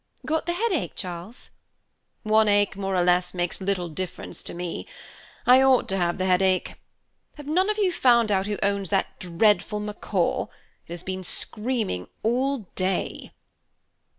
"Got the headache, Charles?" "One ache more or less makes little difference to me. I ought to have the headache. Have none of you found out who owns that dreadful macaw? It has been screaming all day."